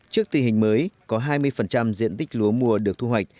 trước tình hình mới có hai mươi diện tích lúa mùa được thu hoạch